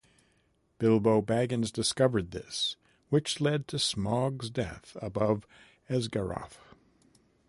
Bilbo Baggins discovered this, which led to Smaug's death above Esgaroth.